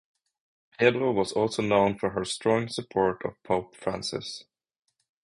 Pedro was also known for her strong support of Pope Francis.